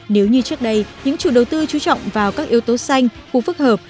nếu như trước đây những chủ đầu tư chú trọng vào các yếu tố xanh khu phức hợp